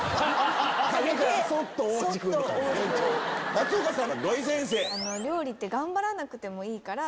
松岡さんが土井先生。